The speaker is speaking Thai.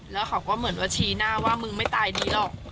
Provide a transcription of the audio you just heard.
แล้วเขาก็เหมือนว่าชี้หน้าว่ามึงไม่ตายดีหรอก